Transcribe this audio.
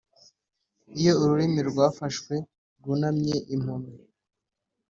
iyo ururimi rwafashwe rwunamye impumyi,